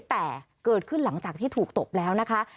แต่เกิดขึ้นหลังจากที่ถูกตบแล้วนะคะ